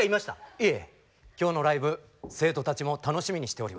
いえ今日のライブ生徒たちも楽しみにしております。